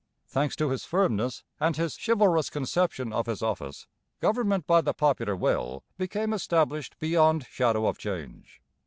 Thanks to his firmness and his chivalrous conception of his office, government by the popular will became established beyond shadow of change.